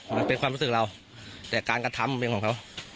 มันเป็นความรู้สึกเราแต่การกระทำเป็นของเขา